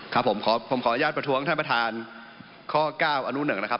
ครับผมขออนุญาตประท้วงท่านประธานข้อ๙อนุ๑นะครับ